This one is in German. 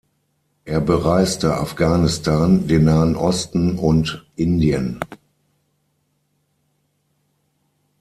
Er bereiste Afghanistan, den Nahen Osten und Indien.